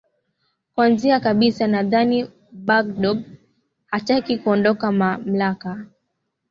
kwanza kabisa nadhani bagdbo hataki kuondoka mamlaka